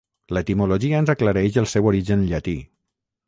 L'etimologia ens aclareix el seu origen llatí.